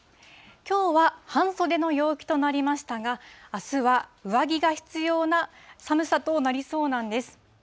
きょうは半袖の陽気となりましたが、あすは上着が必要な寒さとなりそうなんです。